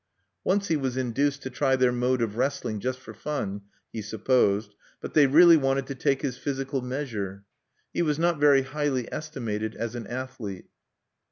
Once he was induced to try their mode of wrestling, just for fun, he supposed. But they really wanted to take his physical measure. He was not very highly estimated as an athlete.